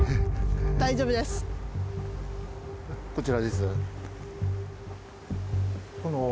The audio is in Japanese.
こちらです。